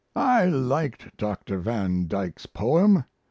I liked Dr. van Dyke's poem.